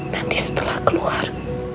nanti setelah keluar